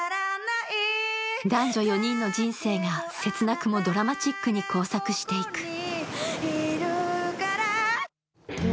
男女４人の人生がせつなくもドラマチックに交錯していくほお